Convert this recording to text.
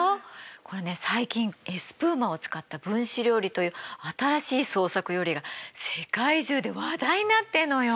これね最近エスプーマを使った分子料理という新しい創作料理が世界中で話題になってるのよ。